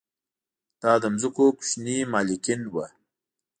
دا د ځمکو کوچني مالکین وو